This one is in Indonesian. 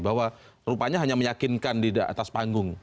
bahwa rupanya hanya meyakinkan di atas panggung